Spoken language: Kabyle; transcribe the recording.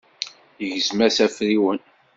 Igzem-as afriwen.